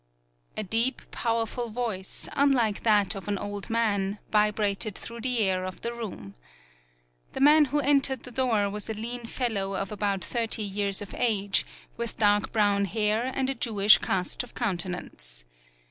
A deep, powerful voice, unlike that of an old man, vibrated through the air of the room. The man who entered the door was a lean fellow of about thirty years of age, with dark brown hair, and a Jewish cast of countenance.